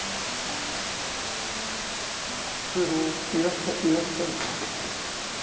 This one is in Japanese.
失礼いらっしゃるかな？